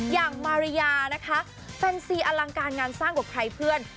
อย่างมาริยานะคะแฟนซีอลังการงานสร้างกว่าใครเพื่อน